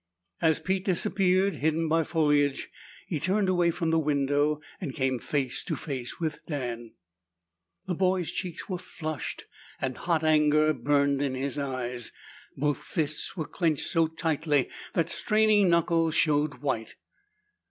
As Pete disappeared, hidden by foliage, he turned away from the window and came face to face with Dan. The boy's cheeks were flushed and hot anger burned in his eyes. Both fists were clenched so tightly that straining knuckles showed white.